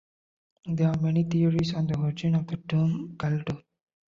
There are many theories on the origin of the term "Caldoche".